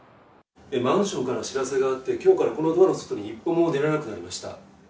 マンションから知らせがあって、きょうからこのドアの外に一歩も出られなくなりました。